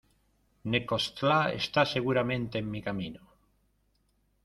Necoxtla, está seguramente en mi camino.